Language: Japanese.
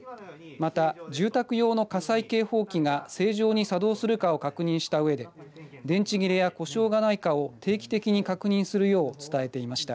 また住宅用の火災警報器が正常に作動するかを確認したうえで電池切れや故障がないかを定期的に確認するよう伝えていました。